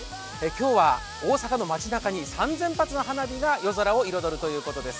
今日は大阪の街なかに３０００発の花火が夜空を彩るということです。